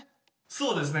そうですね